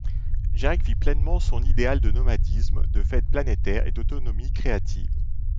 Jack vit pleinement son idéal de nomadisme, de fêtes planétaires et d'autonomie créative.